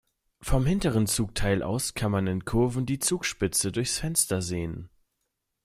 Vom hinteren Zugteil aus kann man in Kurven die Zugspitze durchs Fenster sehen.